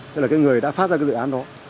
tức là cái người đã phát ra cái dự án đó